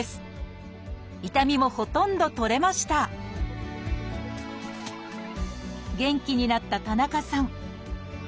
痛みもほとんど取れました元気になった田中さん。